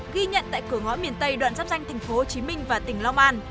ghi nhận tại cửu ngõ miền tây đoạn dắp danh thành phố hồ chí minh và tỉnh long an